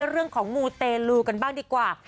เรื่องของมูเตลูกันบ้างดีกว่า